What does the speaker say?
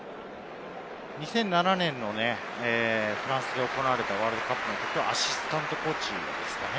２００７年のフランスで行われたワールドカップはアシスタントコーチですかね。